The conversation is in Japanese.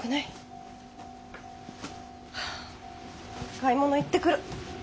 買い物行ってくる。